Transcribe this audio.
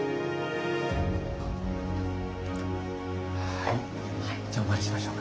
はいじゃあお参りしましょう。